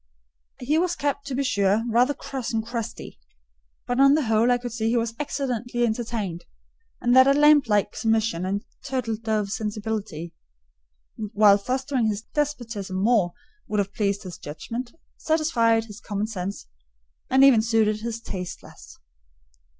He was kept, to be sure, rather cross and crusty; but on the whole I could see he was excellently entertained, and that a lamb like submission and turtle dove sensibility, while fostering his despotism more, would have pleased his judgment, satisfied his common sense, and even suited his taste less.